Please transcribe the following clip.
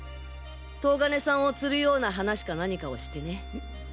東金さんを釣るような話か何かをしてね。